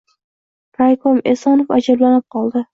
Raykom Esonov ajablanib qoldi.